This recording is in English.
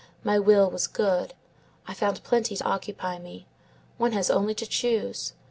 My will was good. I found plenty to occupy me. One has only to choose.